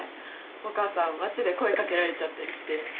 お母さん街で声かけられちゃったりして。